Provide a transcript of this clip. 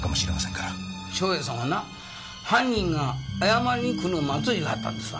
祥英さんはな犯人が謝りにくるのを待つ言わはったんですわ。